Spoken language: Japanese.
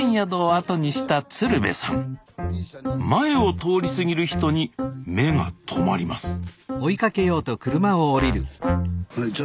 前を通り過ぎる人に目が留まりますスタジオえっ？